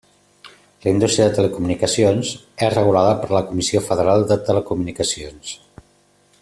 La indústria de telecomunicacions és regulada per la Comissió Federal de Telecomunicacions.